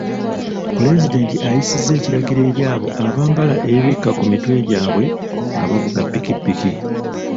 Pulezidenti ayisizza ekiragiro eri abo abambala ebibikka ku mitwe gyabwe nga bavuga ppikipiki.